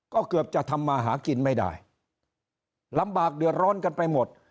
ก็เกือบจะทำมาหากินไม่ได้ลำบากเดือดร้อนกันไปหมด